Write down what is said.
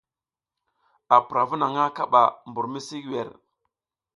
A pura vu naƞʼna kaɓa mɓur misi wer.